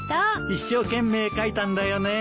一生懸命描いたんだよねえ。